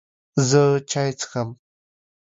زه چای څښم